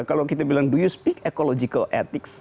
kalau kita bilang do you speak ecological ethics